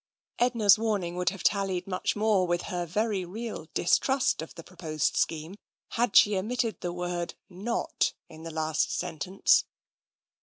Edna's warning would have tallied much more with her very real distrust of the proposed scheme had she omitted the word " not " in the last sentence.